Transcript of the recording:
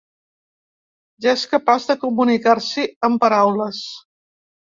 Ja és capaç de comunicar-s'hi amb paraules.